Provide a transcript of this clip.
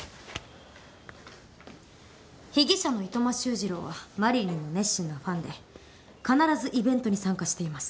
被疑者の糸間修二郎はマリリンの熱心なファンで必ずイベントに参加しています。